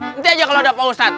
nanti aja kalo ada pak ustad